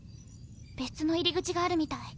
別の入り口があるみたい。